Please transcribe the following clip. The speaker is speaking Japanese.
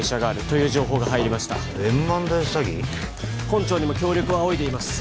本庁にも協力を仰いでいます